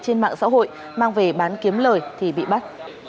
trên mạng xã hội mang về bán kiếm lời thì bị bắt